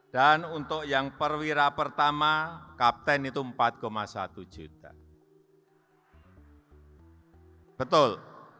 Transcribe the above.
dan untuk yang perwira pertama kapten itu rp empat satu juta betul